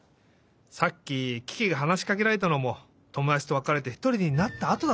さっきキキがはなしかけられたのもともだちとわかれてひとりになったあとだったし。